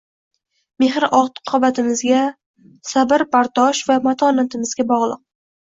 Mehr-oqibatimizga, sabr-bardosh va matonatimizga bogʻliq